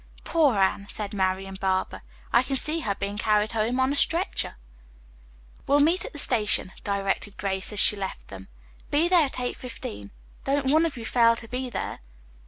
"Poor Anne," said Marian Barber, "I can see her being carried home on a stretcher." "We will meet at the station," directed Grace, as she left them. "Be there at 8.15. Don't one of you fail to be there."